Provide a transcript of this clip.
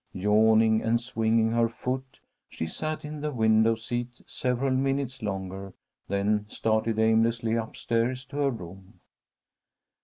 Yawning and swinging her foot, she sat in the window seat several minutes longer, then started aimlessly up stairs to her room.